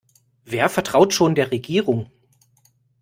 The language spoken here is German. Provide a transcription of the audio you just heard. Wer vertraut schon der Regierung?